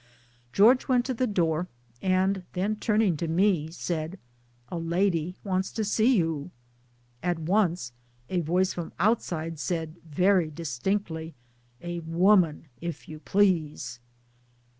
George went to the door and then turning to me said " A lady wants to see you." At once a voice from outside said very distinctly, " A woman, if you please."